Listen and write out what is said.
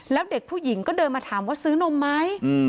แล้วเด็กผู้หญิงก็เดินมาถามว่าซื้อนมไหม